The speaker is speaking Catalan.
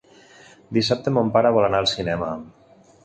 Dissabte mon pare vol anar al cinema.